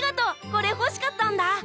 これ欲しかったんだ！